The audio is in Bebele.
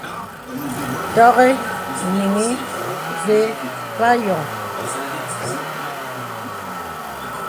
Tɔŋì nìŋì və̄ və a yɔ̄ŋ.